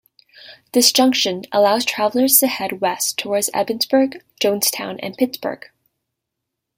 This junction allows travelers to head west towards Ebensburg, Johnstown, and Pittsburgh.